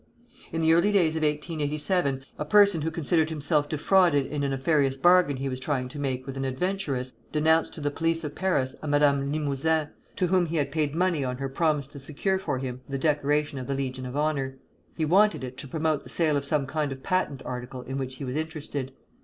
In the early days of 1887 a person who considered himself defrauded in a nefarious bargain he was trying to make with an adventuress, denounced to the police of Paris a Madame Limouzin, to whom he had paid money on her promise to secure for him the decoration of the Legion of Honor. He wanted it to promote the sale of some kind of patent article in which he was interested.